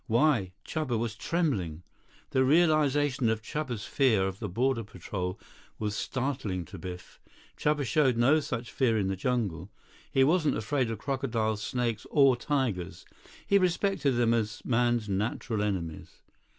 Why, Chuba was trembling! The realization of Chuba's fear of the border patrol was startling to Biff. Chuba showed no such fear in the jungle. He wasn't afraid of crocodiles, snakes, or tigers. He respected them as man's natural enemies.